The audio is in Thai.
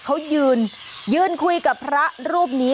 เขายืนยืนคุยกับพระรูปนี้